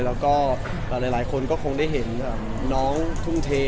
แล้วก็หลายคนก็คงได้เห็นน้องทุ่มเท